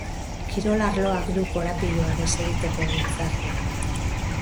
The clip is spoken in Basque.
Kirol arloak du korapiloa desegiteko giltzarria.